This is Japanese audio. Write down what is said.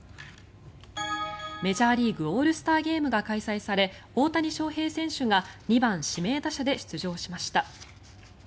メジャーリーグオールスターゲームが開催され大谷翔平選手が２番指名打者で出場しました。